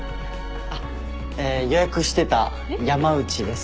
あっえ予約してた山内です。